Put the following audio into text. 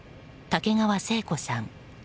竹川生子さん